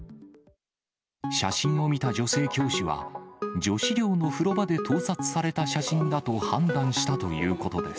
写真を見た女性教師は、女子寮の風呂場で盗撮された写真だと判断したということです。